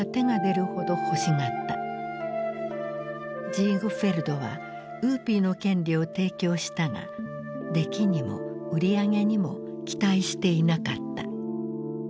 ジーグフェルドは「ウーピー」の権利を提供したが出来にも売り上げにも期待していなかった。